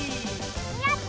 やった！